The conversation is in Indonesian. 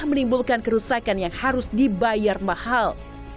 menimbulkan kerusakan yang harus dibayar mahal